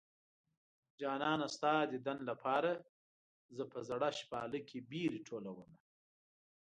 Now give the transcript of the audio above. جانانه ستا ديدن لپاره زه په زړه شپاله کې بېرې ټولومه